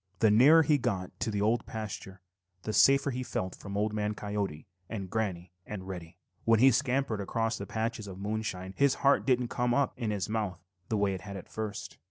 The nearer he got to the Old Pasture, the safer he felt from Old Man Coyote and Granny and Reddy Fox. When he scampered across the patches of moonshine his heart didn't come up in his mouth the way it had at first.